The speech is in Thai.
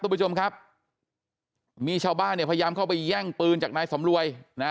คุณผู้ชมครับมีชาวบ้านเนี่ยพยายามเข้าไปแย่งปืนจากนายสำรวยนะ